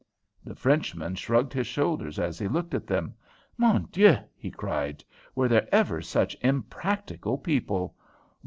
The Frenchman shrugged his shoulders as he looked at them. "Mon Dieu!" he cried, "were there ever such impracticable people?